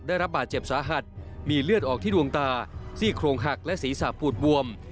ได้รับบาดเจ็บสาหัสมีเลือดออกที่ดวงตาซี่โครงหักและศีรษะปูดบวม